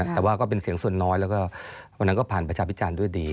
แต่ว่าก็เป็นเสียงส่วนน้อยแล้วก็วันนั้นก็ผ่านประชาพิจารณ์ด้วยดี